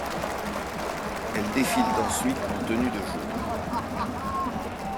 Elle défilent ensuite en tenue de jour.